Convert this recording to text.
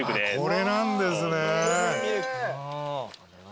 これなんですね。